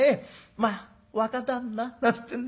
『まあ若旦那』なんてんでね